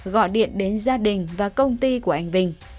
gọi điện đến gia đình và công ty của anh vinh